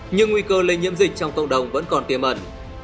nhưng nguy cơ lây nhiễm dịch trong cộng đồng vẫn còn tiềm ẩn